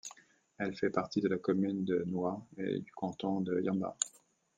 Elle fait partie de la commune de Nwa et du canton de Yamba.